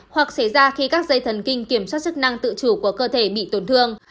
hoặc xảy ra khi các dây thần kinh kiểm soát chức năng tự chủ của cơ thể bị tổn thương